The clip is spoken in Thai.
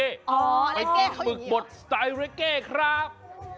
อ๋อเรเก่เขาอย่างนี้เหรออ๋อไปปรึกปัดสไตล์เรเก่ครับ